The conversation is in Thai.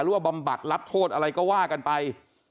บำบัดรับโทษอะไรก็ว่ากันไป